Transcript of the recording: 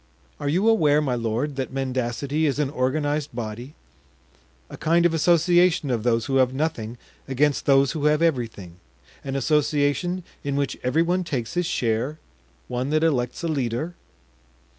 "Are you aware, my lord, that mendacity is an organized body, a kind of association of those who have nothing against those who have everything; an association in which every one takes his share; one that elects a leader?"